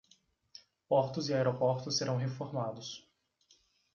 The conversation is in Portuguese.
Portos e aeroportos serão reformados